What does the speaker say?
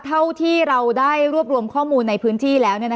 เท่าที่เราได้รวบรวมข้อมูลในพื้นที่แล้ว